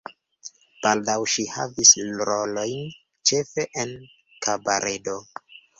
Baldaŭ ŝi havis rolojn ĉefe en kabaredo.